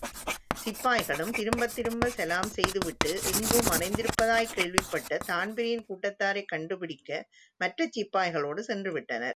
சிப்பாய்களும் திரும்பத் திரும்ப சலாம் செய்து விட்டு எங்கோ மறைந்திருப்பதாய்க் கேள்விப்பட்டதான் பிரீன் கூட்டத்தாரைக்கண்டு பிடிக்க மற்றச்சிப்பாய்களோடு சென்றுவிட்டனர்!